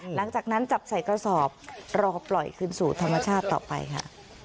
หลังจากนั้นจับใส่กระสอบรอปล่อยคืนสู่ธรรมชาติต่อไปค่ะ